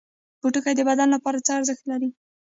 پوټکی د بدن لپاره څه ارزښت لري؟